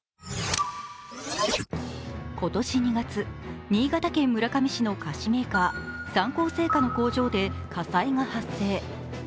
今年２月、新潟県村上市の菓子メーカー、三幸製菓の工場で火災が発生。